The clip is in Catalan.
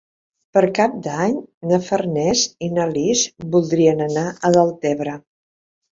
Per Cap d'Any na Farners i na Lis voldrien anar a Deltebre.